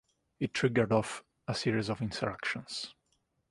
It triggered off a series of insurrections.